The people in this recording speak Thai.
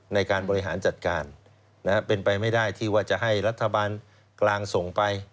ในการบริหารจัดการเป็นไปไม่ได้ที่ว่าจะให้รัฐบาลกลางส่งไป